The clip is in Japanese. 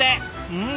うん！